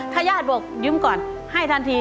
ถ้าญาติบอกยืมก่อนให้ทันที